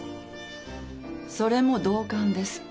それも同感です。